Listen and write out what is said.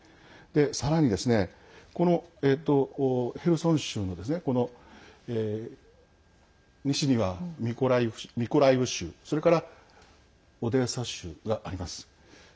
さらに、このヘルソン州の西にはミコライウ州それから、オデーサ州があります。